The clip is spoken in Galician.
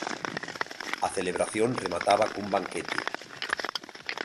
A celebración remataba cun banquete.